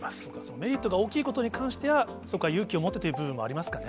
メリットが大きいことに関しては、そこは勇気を持ってという部分もありますかね。